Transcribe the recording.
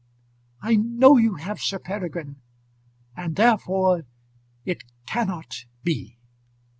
"I know you have, Sir Peregrine, and therefore it cannot be."